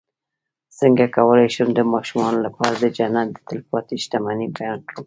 څنګه کولی شم د ماشومانو لپاره د جنت د تل پاتې شتمنۍ بیان کړم